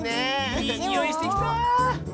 いいにおいしてきた。